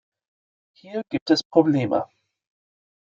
Hier gibt es Probleme.